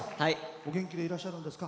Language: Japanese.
お元気でいらっしゃるんですか？